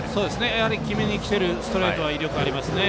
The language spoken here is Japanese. やはり決めにきてるストレートは威力ありますね。